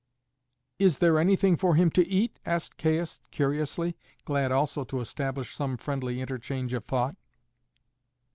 "Is there anything for him to eat?" asked Caius curiously, glad also to establish some friendly interchange of thought.